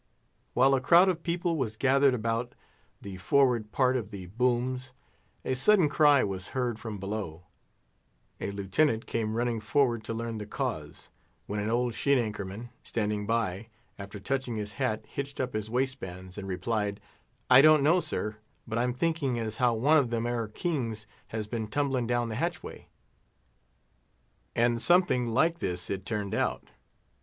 While a crowd of people was gathered about the forward part of the booms, a sudden cry was heard from below; a lieutenant came running forward to learn the cause, when an old sheet anchor man, standing by, after touching his hat hitched up his waistbands, and replied, "I don't know, sir, but I'm thinking as how one o' them 'ere kings has been tumblin' down the hatchway." And something like this it turned out.